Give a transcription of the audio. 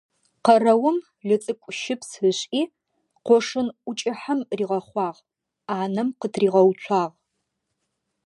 Къэрэум лыцӀыкӀущыпс ышӀи, къошын ӀукӀыхьэм ригъэхъуагъ, Ӏанэм къытригъэуцуагъ.